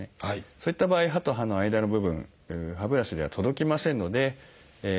そういった場合歯と歯の間の部分歯ブラシでは届きませんのでこういったデンタルフロス